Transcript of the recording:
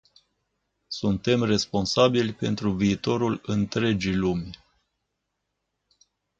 Suntem responsabili pentru viitorul întregii lumi.